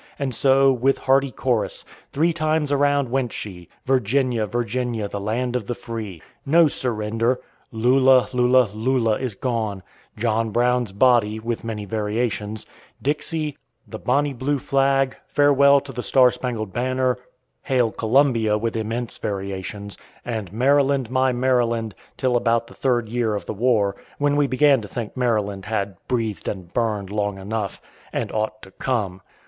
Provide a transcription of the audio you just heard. And so, with hearty chorus, "Three times around went she," "Virginia, Virginia, the Land of the Free," "No surrender," "Lula, Lula, Lula is gone," "John Brown's Body," with many variations, "Dixie," "The Bonny Blue Flag," "Farewell to the Star Spangled Banner," "Hail Columbia," with immense variations, and "Maryland, My Maryland," till about the third year of the war, when we began to think Maryland had "breathed and burned" long enough, and ought to "come."